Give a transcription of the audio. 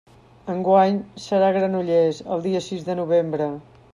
Enguany serà a Granollers, el dia sis de novembre.